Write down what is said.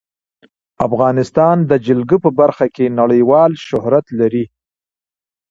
افغانستان د جلګه په برخه کې نړیوال شهرت لري.